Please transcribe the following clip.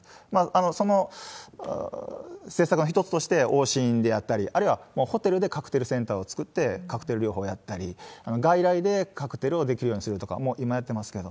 その施策の一つとして、往診であったり、あるいはもうホテルでカクテルセンターを作ってカクテル療法をやったり、外来でカクテルをできるようにするとか、もう今やってますけど。